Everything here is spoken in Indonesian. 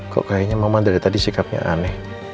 kok kayaknya mama dari tadi sikapnya aneh